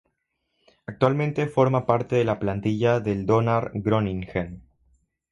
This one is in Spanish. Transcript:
Actualmente forma parte de la plantilla del Donar Groningen.